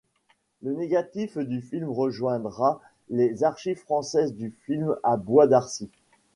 Le négatif du film rejoindra les Archives françaises du film à Bois d’Arcy.